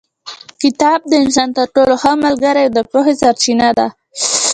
کتاب د انسان تر ټولو ښه ملګری او د پوهې سرچینه ده.